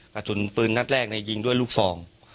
กระสุนปืนนัดแรกในยิงด้วยลูกฟอง